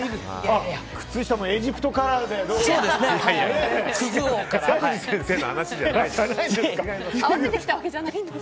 靴下もエジプトカラーで。